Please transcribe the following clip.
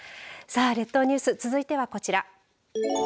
さあ、列島ニュース続いてはこちら。